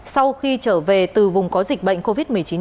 sau khi trở về từ vùng có dịch bệnh covid một mươi chín